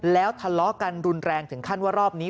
แล้วทะเลาะกันรุนแรงถึงขั้นว่ารอบนี้